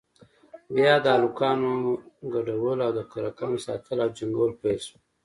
بيا د هلکانو گډول او د کرکانو ساتل او جنگول پيل سول.